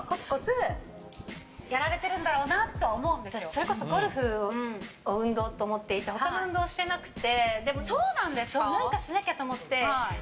それこそゴルフを運動と思ってて他の運動してなくて。